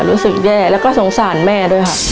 รู้สึกแย่แล้วก็สงสารแม่ด้วยค่ะ